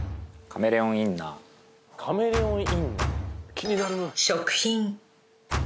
気になる。